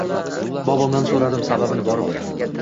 Bobomdan so’radim sababin borib